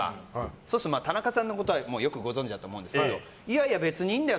そうすると、田中さんのことはよくご存じだと思うんですけどいやいや別にいいんだよ